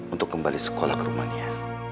untuk kembali sekolah ke rumahnya